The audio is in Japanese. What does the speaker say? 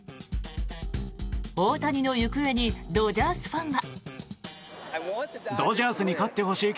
大谷の行方にドジャースファンは。